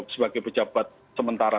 sebagai pejabat sementara